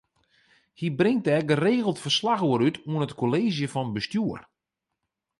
Hy bringt dêr geregeld ferslach oer út oan it Kolleezje fan Bestjoer.